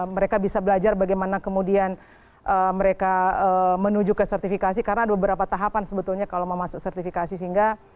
mereka bisa belajar bagaimana kemudian mereka menuju ke sertifikasi karena ada beberapa tahapan sebetulnya kalau mau masuk sertifikasi sehingga